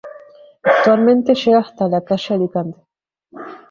Actualmente llega hasta la Calle de Alicante.